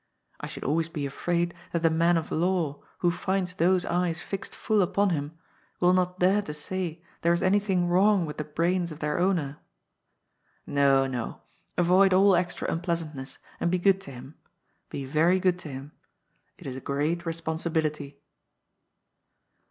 I should always be afraid that the man of law who finds those eyes fixed full upon him will not dare to say there is anything wrong with the brains of their owner. No, no. Avoid all extra unpleasantness, and be good to him ; be very good to him. It is a great respon sibility."